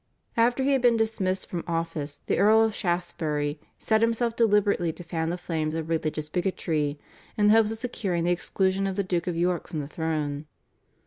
After he had been dismissed from office the Earl of Shaftesbury set himself deliberately to fan the flames of religious bigotry, in the hope of securing the exclusion of the Duke of York from the throne.